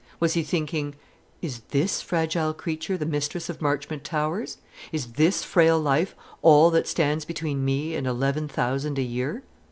Was he thinking, "Is this fragile creature the mistress of Marchmont Towers? Is this frail life all that stands between me and eleven thousand a year?"